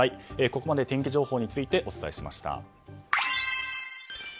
ここまで天気情報についてお伝えしました。